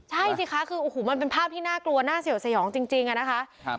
ใช่สิคะคือโอ้โหมันเป็นภาพที่น่ากลัวน่าเสียวสยองจริงอะนะคะ